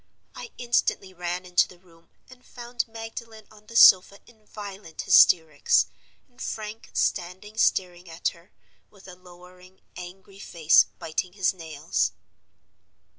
I instantly ran into the room, and found Magdalen on the sofa in violent hysterics, and Frank standing staring at her, with a lowering, angry face, biting his nails.